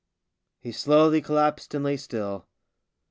He slowly collapsed and lay still.